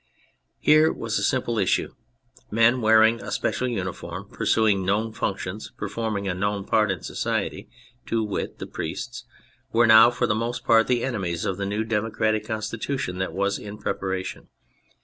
Here was a simple issue. Men wearing a special uniform, pursuing known functions, performing a known part in society — to wit, the priests — were now for the most part the enemies of the new democratic Constitution that was in pre paration.